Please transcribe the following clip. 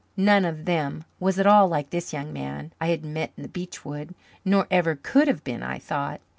None of them was at all like this young man I had met in the beech wood, nor ever could have been, I thought.